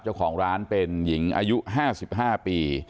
เจ้าของร้านเป็นหญิงอายุ๕๕ปี